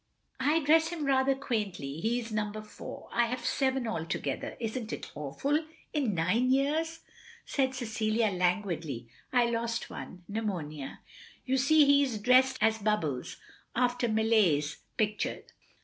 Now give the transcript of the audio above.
"I dress him rather quaintly. He is number four. I have seven altogether, is n't it awful — in nine years?" said Cecilia languidly. "I lost one — pneumonia. You see he is dressed as Bubbles, after Millais's picture."